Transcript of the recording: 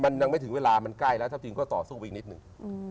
มันยังไม่ถึงเวลามันใกล้แล้วถ้าทีมก็ต่อสู้ไปอีกนิดนึง